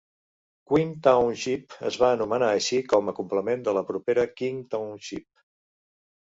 Queen Township es va anomenar així com a complement de la propera King Township.